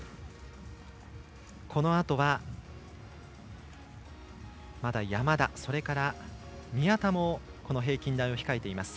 このあとは、まだ山田それから宮田も平均台を控えています。